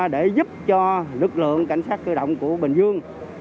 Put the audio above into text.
để giúp cho lực lượng cảnh sát cơ động của bình dương